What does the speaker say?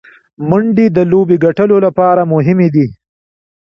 منډې د لوبي ګټلو له پاره مهمي دي.